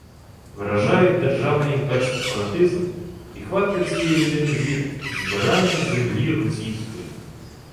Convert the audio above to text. Вражають державний імперський фанатизм і «хватка» цієї людини зі «збирання землі російської»